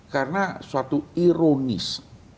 karena suatu ironis